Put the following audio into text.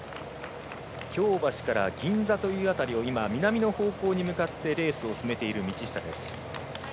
京橋から銀座という辺りを南の方向に向かってレースを進めている道下です。